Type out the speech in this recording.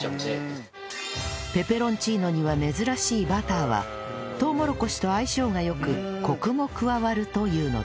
ペペロンチーノには珍しいバターはとうもろこしと相性が良くコクも加わるというのです